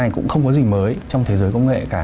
cái này cũng không có gì mới trong thế giới công nghệ cả